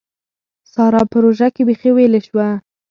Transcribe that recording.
سارا په روژه کې بېخي ويلې شوه.